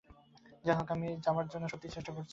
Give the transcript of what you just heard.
যা হোক, আমি যাবার জন্য সত্যিই চেষ্টা করছি।